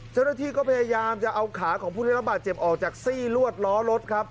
เจ้าหน้าที่ก็พยายามจะเอาขาของผู้ได้รับบาดเจ็บออกจากซี่ลวดล้อรถครับ